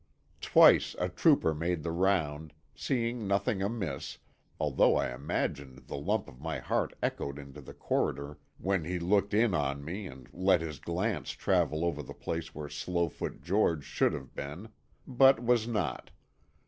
Twice a trooper made the round, seeing nothing amiss—although I imagined the thump of my heart echoed into the corridor when he looked in on me and let his glance travel over the place where Slowfoot George should have been—but was not.